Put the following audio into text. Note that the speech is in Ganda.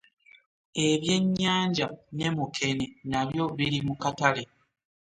Ebyennyanja ne mukene nabyo biri mu katale.